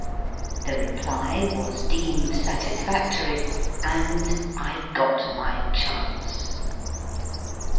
The reply was deemed satisfactory, and I got my chance.